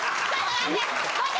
待って！